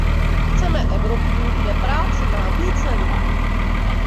Chceme Evropu, kde práci má více lidí.